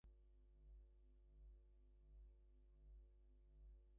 With the bishopric he held the living of Clifton Camville "in commendam".